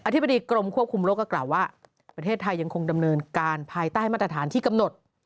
ธิบดีกรมควบคุมโรคก็กล่าวว่าประเทศไทยยังคงดำเนินการภายใต้มาตรฐานที่กำหนด